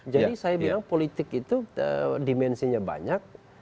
jadi saya bilang politik itu dimensinya banyak